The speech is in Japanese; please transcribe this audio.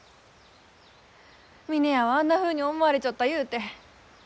峰屋はあんなふうに思われちょったゆうて。